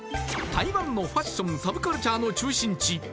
台湾のファッションサブカルチャーの中心地